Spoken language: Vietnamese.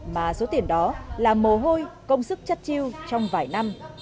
mà số tiền đó là mồ hôi công sức chất chiêu trong vài năm